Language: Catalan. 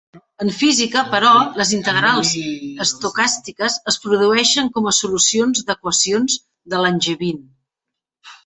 En física, però, les integrals estocàstiques es produeixen com a solucions d'equacions de Langevin.